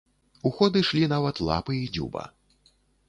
У ход ішлі нават лапы і дзюба.